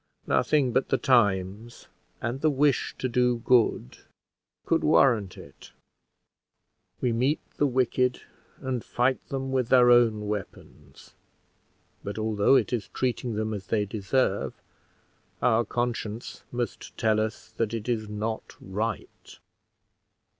Nothing but the times, and the wish to do good, could warrant it. We meet the wicked, and fight them with their own weapons; but although it is treating them as they deserve, our conscience must tell us that it is not right."